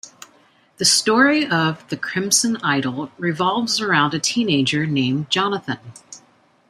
The story of "The Crimson Idol" revolves around a teenager named Jonathan.